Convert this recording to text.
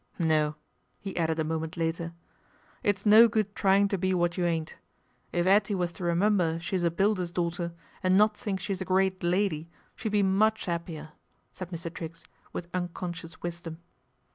" No," he added a moment later. " It's no good trying to be what you ain't. If 'Ettie was to remember she's a builder's daughter, and not think she's a great lady, she'd be much 'appier," said Mr. Triggs with unconscious wisdom.